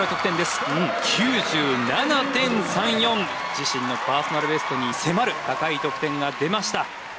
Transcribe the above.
自身のパーソナルベストに迫る高い得点が出ました。